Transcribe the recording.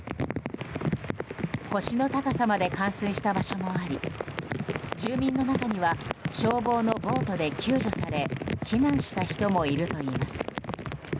腰の高さまで冠水した場所もあり住民の中には消防のボートで救助され避難した人もいるといいます。